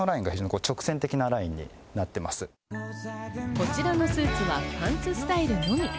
こちらのスーツはパンツスタイルのみ。